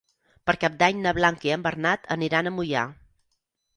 Per Cap d'Any na Blanca i en Bernat aniran a Moià.